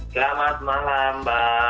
selamat malam mbak